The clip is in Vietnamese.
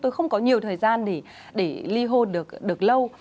tôi không có nhiều thời gian để ly hôn được lâu